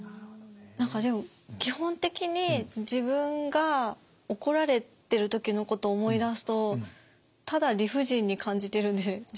何かでも基本的に自分が怒られてる時のことを思い出すとただ理不尽に感じてるんですよね。